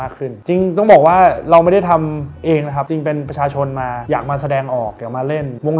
ขึ้นจริงต้องบอกว่าเราไม่ได้ทำเองนะครับจริงเป็นประชาชนมาอยากมาแสดงออกอยากมาเล่นวง